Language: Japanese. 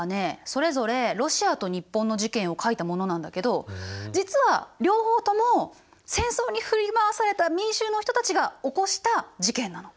それぞれロシアと日本の事件を描いたものなんだけど実は両方とも戦争に振り回された民衆の人たちが起こした事件なの。